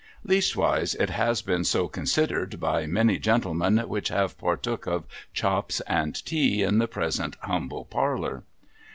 ' Leastwise it has been so considered by many gentlemen which have partook of chops and tea in the present humble parlour.'